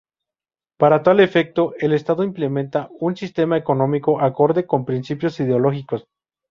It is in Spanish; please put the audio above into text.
Para tal efecto, el Estado implementa un sistema económico acorde con sus principios ideológicos.